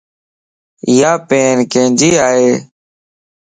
ايا پين ڪينجي ائي